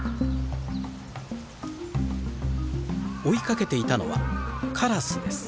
追いかけていたのはカラスです。